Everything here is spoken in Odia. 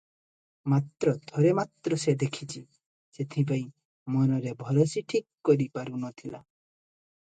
ମାତ୍ର ଥରେ ମାତ୍ର ସେ ଦେଖିଚି, ସେଥିପାଇଁ ମନରେ ଭରସି ଠିକ୍ କରି ପାରୁ ନ ଥିଲା ।